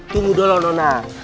tunggu dulu loh nona